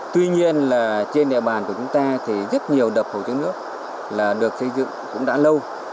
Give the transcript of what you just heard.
tuy nhiên là trên địa bàn của chúng ta thì rất nhiều đập hồ chứa nước là được xây dựng cũng đã lâu